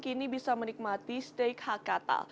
kini bisa menikmati steak hakata